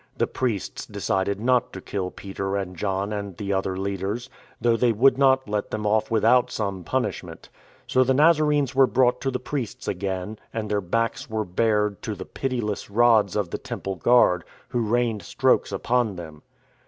The priests decided not to kill Peter and John and the other leaders, though they would not let them off without some punishment. So the Nazarenes were brought to the priests again, and their backs were bared to the pitiless rods of the Temple Guard, who rained strokes upon them.